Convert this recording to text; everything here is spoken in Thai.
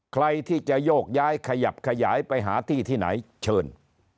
ใครที่จะโยกย้ายขยับขยายไปหาที่ที่ไหนเชิญ